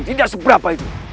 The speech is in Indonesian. tidak seberapa itu